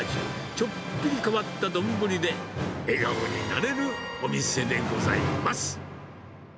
ちょっぴり変わった丼で、笑顔になれるお店でございます。